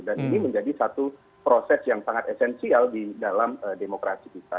dan ini menjadi satu proses yang sangat esensial di dalam demokrasi kita